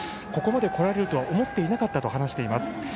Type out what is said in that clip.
ここまでこられるとは思っていなかったと話しています。